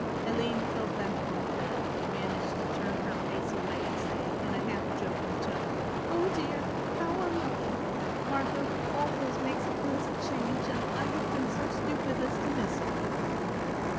Aline fell back on the bed but managed to turn her face away and say in a half joking tone; "Oh, dear, how unlucky! Margrove always makes a pleasant change and I have been so stupid as to miss him."